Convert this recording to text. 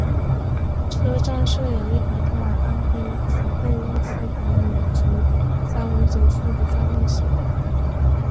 车站设有一条通往安徽储备物资管理局三五九处的专用线。